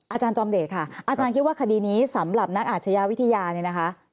อาจารย์จอมเดชค่ะอาจารย์คิดว่าคดีนี้สำหรับนักอาชญาวิทยาเนี่ยนะคะ